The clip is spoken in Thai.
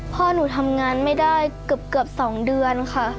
พ่อหนูทำงานไม่ได้เกือบ๒เดือนค่ะ